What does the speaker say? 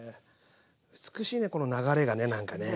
美しいねこの流れがねなんかね。